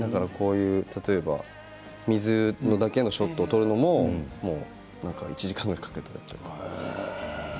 水だけのショットを撮るのも１時間ぐらいかけて撮ったりとか。